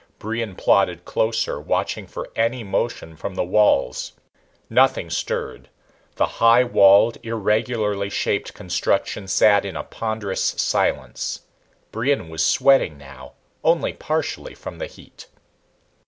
Brion plodded closer, watching for any motion from the walls. Nothing stirred. The high walled, irregularly shaped construction sat in a ponderous silence. Brion was sweating now, only partially from the heat.